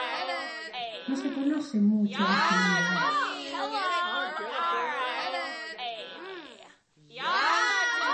No se conoce mucho de su vida.